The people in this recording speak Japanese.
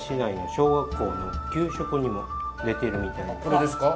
これですか？